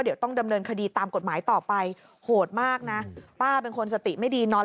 เดี๋ยวต้องดำเนินคดีตามกฎหมายต่อไปโหดมากนะป้าเป็นคนสติไม่ดีนอน